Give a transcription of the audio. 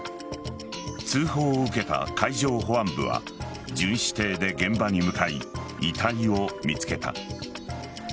通報を受けた海上保安部は巡視艇で現場に向かい遺体を見つけた。